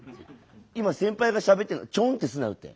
今先輩がしゃべってんのちょんってすなよって。